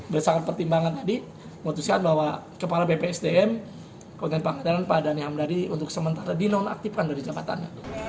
berdasarkan pertimbangan tadi memutuskan bahwa kepala bpsdm pangadaran pak dhani hamdani untuk sementara dinonaktifkan dari jabatan